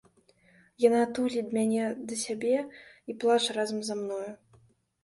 Яна туліць мяне да сябе і плача разам са мною.